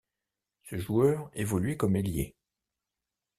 Ce joueur évoluait comme ailier.